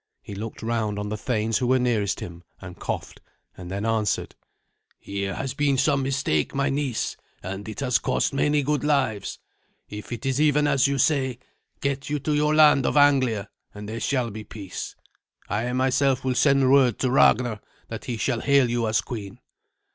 He looked round on the thanes who were nearest him, and coughed, and then answered, "Here has been some mistake, my niece, and it has cost many good lives. If it is even as you say, get you to your land of Anglia, and there shall be peace. I myself will send word to Ragnar that he shall hail you as queen."